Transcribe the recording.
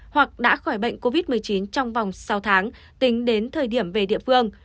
hoặc đã khỏi bệnh covid một mươi chín trong vòng sáu tháng tính đến thời điểm về địa phương